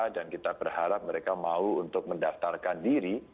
dan kita berharap mereka mau untuk mendaftarkan diri